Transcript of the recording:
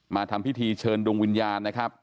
ทำพิธีเชิญดวงวิญญาณนะครับ